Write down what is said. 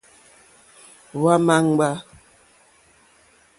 Hwá ǃma ŋɡbà.